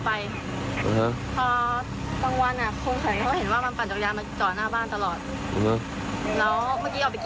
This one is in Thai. ใครครับ